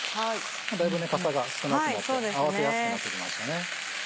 だいぶかさが少なくなって合わせやすくなってきました。